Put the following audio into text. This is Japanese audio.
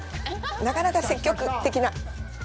なかなか積極的な。